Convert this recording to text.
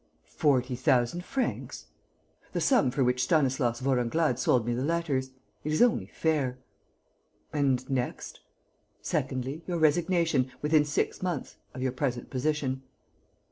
"Forty thousand francs?" "The sum for which Stanislas Vorenglade sold me the letters. It is only fair...." "And next?" "Secondly, your resignation, within six months, of your present position."